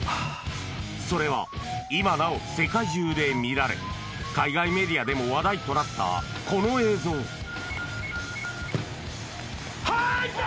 それは今なお世界中で見られ海外メディアでも話題となったこの映像入った！